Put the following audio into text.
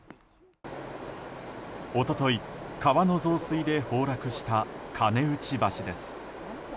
一昨日、川の増水で崩落した金内橋です。